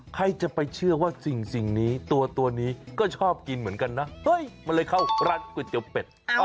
ใครจะไปเชื่อว่าสิ่งนี้ตัวนี้ก็ชอบกินเหมือนกันนะมันเลยเข้าร้านก๋วยเตี๋ยวเป็ด